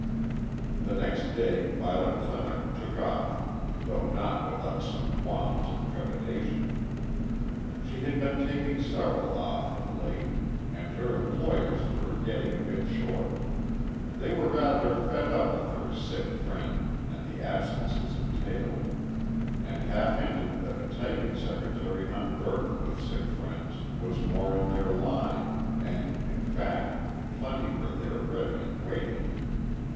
The next day Violet Clinock took "off," though not without some qualms of trepidation. She had been taking several "off" of late, and her employers were getting a bit short. They were rather "fed up" with her sick friend and the absences entailed, and half hinted that a typing secretary unburdened with sick friends was more in their line, and in fact plenty were there ready and waiting.